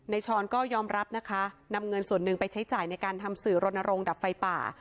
ช้อนก็ยอมรับนะคะนำเงินส่วนหนึ่งไปใช้จ่ายในการทำสื่อรณรงค์ดับไฟป่า